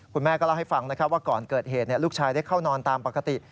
คุณแม่ก็เล่าให้ฟังนะครับว่าก่อนเกิดเหตุลูกชายได้เข้านอนตามปกติ